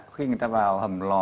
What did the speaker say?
khi người ta vào hầm lò